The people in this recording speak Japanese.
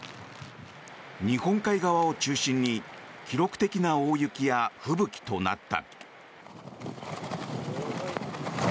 日本海側を中心に記録的な大雪や吹雪となった。